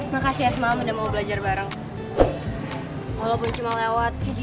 makasih ya semalam udah mau belajar bareng